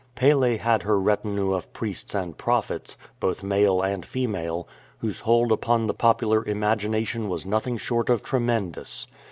Pele had her retinue of priests and prophets, both male and female, whose hold upon the popular imascination was nothing short of tremendous.